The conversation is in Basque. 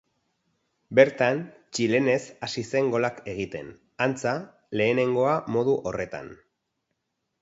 Bertan, txilenez hasi zen golak egiten, antza, lehenengoa modu horretan.